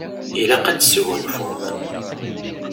Ilaq ad tesgunfum.